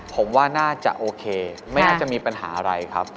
ผมว่าน่าจะโอเคไม่น่าจะมีปัญหาอะไรครับ